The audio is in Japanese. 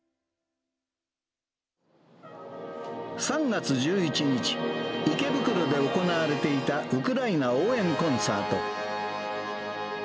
３月１１日、池袋で行われていたウクライナ応援コンサート。